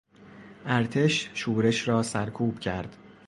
ارتش شورش را سرکوب کرد.